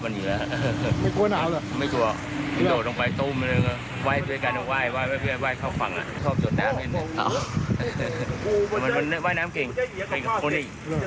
บอดิการ์ดหน้าคนสองตัวนี้